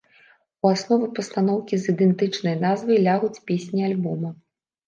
У аснову пастаноўкі з ідэнтычнай назвай лягуць песні альбома.